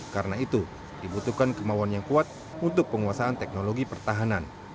karena itu dibutuhkan kemauan yang kuat untuk penguasaan teknologi pertahanan